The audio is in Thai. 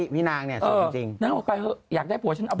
วิชาการอะไรวะ